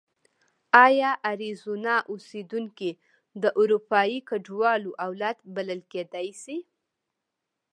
ایا اریزونا اوسېدونکي د اروپایي کډوالو اولاد بلل کېدای شي؟